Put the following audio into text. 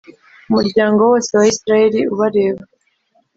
umuryango wose wa Israheli ubareba!